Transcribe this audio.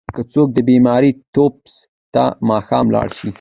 که څوک د بيمار تپوس ته ماښام لاړ شي؛